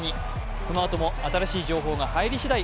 このあとも新しい情報が入りしだい